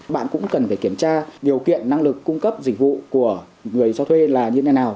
bạn cũng cần phải kiểm tra điều kiện năng lực cung cấp dịch vụ của người cho thuê là như thế nào